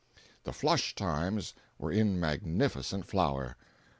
The "flush times" were in magnificent flower!